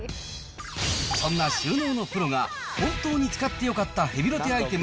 そんな収納のプロが、本当に使ってよかったヘビロテアイテム